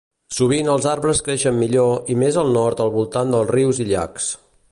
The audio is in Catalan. Sovint els arbres creixen millor i més al nord al voltant dels rius i llacs.